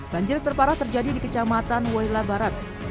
banjir terparah terjadi di kecamatan waila barat